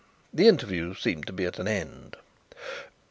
The interview seemed to be at an end.